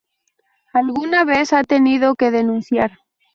alguna vez ha tenido que denunciar